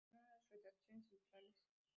Se eliminaron las redacciones centrales.